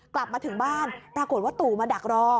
กลับมาถึงบ้านปรากฏว่าตู่มาดักรอ